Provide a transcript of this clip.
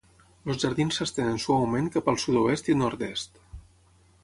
Els jardins s'estenen suaument cap al sud-oest i nord-est.